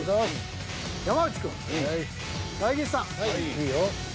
いいよ。